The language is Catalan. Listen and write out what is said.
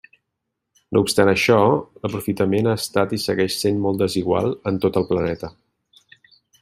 No obstant això, l'aprofitament ha estat i segueix sent molt desigual en tot el planeta.